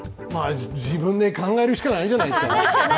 自分で考えるしかないんじゃないですか？